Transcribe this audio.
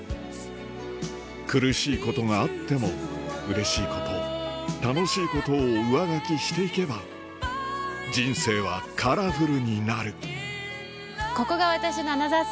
苦しいことがあってもうれしいこと楽しいことを上書きしていけば人生はカラフルになるここが私のアナザー